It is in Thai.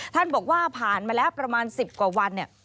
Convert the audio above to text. ท่านบอกว่าผ่านมาแล้วประมาณ๑๐กว่าวันเนี่ย